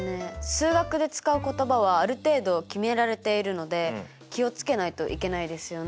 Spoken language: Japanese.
数学で使う言葉はある程度決められているので気を付けないといけないですよね。